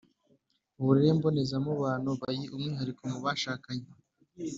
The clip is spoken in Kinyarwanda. Uburere mbonezamubano by umwihariko mubashakanye